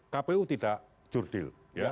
kpu tidak jurdil